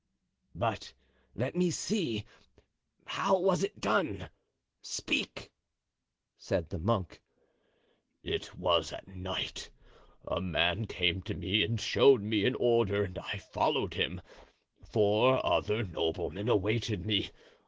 "But let me see, how was it done? Speak," said the monk. "It was at night. A man came to me and showed me an order and I followed him. Four other noblemen awaited me.